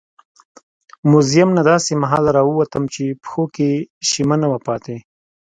موزیم نه داسې مهال راووتم چې پښو کې شیمه نه وه پاتې.